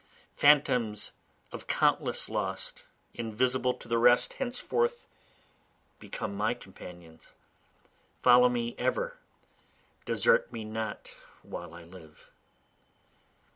Phantoms of countless lost, Invisible to the rest henceforth become my companions, Follow me ever desert me not while I live.